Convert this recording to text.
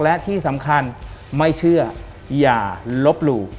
และที่สำคัญไม่เชื่ออย่าลบหลู่